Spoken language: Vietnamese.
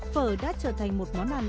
phở đã trở thành một món ăn